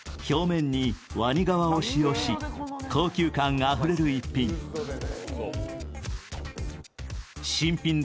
表面にわに革を使用し、高級感あふれる１品。